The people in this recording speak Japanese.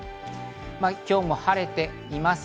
今日も晴れています。